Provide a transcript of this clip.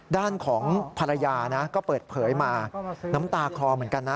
ด้านของภรรยานะก็เปิดเผยมาน้ำตาคลอเหมือนกันนะ